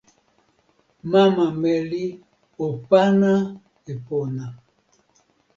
mama meli o pana e pona.